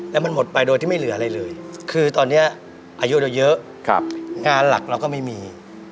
แล้วมันหมดไปโดยที่ไม่เหลืออะไรเลยคือตอนนี้อายุเราเยอะงานหลักเราก็ไม่มี